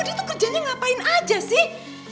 dia tuh kerjanya ngapain aja sih